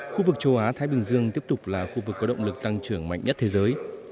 khu vực châu á thái bình dương tiếp tục là khu vực có động lực tăng trưởng mạnh nhất thế giới